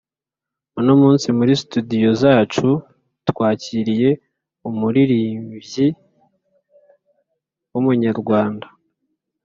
Uno munsi muri studio zacu twakiriye umuririmvyi w'Umunyarwanda